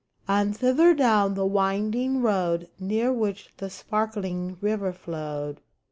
And thither, down the winding road Near which the sparkling river flowed.